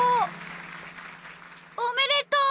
おめでとう！